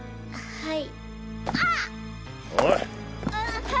はい。